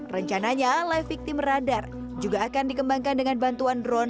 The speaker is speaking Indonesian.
rencananya live victim radar juga akan dikembangkan dengan bantuan drone